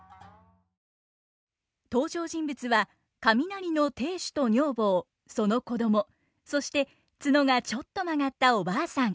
登場人物は雷の亭主と女房その子供そして角がちょっと曲がったお婆さん。